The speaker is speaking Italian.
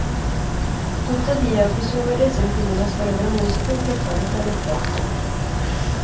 Tuttavia vi sono vari esempi nella storia della musica in cui appare tale effetto.